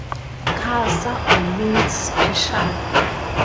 Khasa or means special.